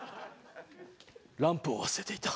ランプを忘れていた。